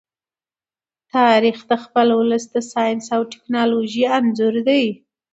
تاریخ د خپل ولس د ساینس او ټیکنالوژۍ انځور دی.